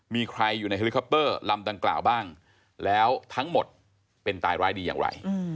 มีใครอยู่ในเฮลิคอปเตอร์ลำดังกล่าวบ้างแล้วทั้งหมดเป็นตายร้ายดีอย่างไร